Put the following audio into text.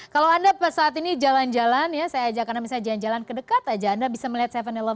kalau anda saat ini jalan jalan ya saya ajak anda misalnya jalan jalan ke dekat aja anda bisa melihat tujuh elon